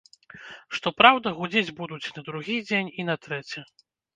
Што праўда, гудзець будуць і на другі дзень, і на трэці.